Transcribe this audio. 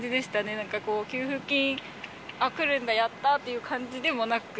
なんかこう、給付金、あ、くるんだ、やったーという感じでもなく。